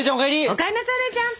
お帰んなさいお姉ちゃん！